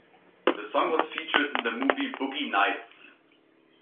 The song was featured in the movie "Boogie Nights".